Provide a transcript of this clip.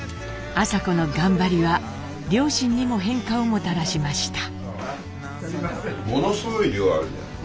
麻子の頑張りは両親にも変化をもたらしました。